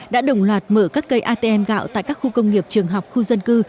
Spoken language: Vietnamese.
đã đồng loạt mở các cây atm gạo tại các khu công nghiệp trường học khu dân cư